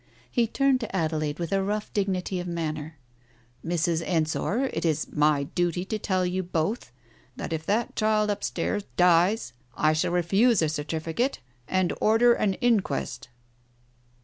He turned to Adelaide, with a rough dignity of manner. "Mrs. Ensor, it is my duty to tell you both that if that child upstairs dies I shall refuse a certificate and order an inquest."